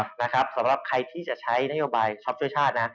สำหรับใครที่จะใช้นโยบายช็อปช่วยชาตินะ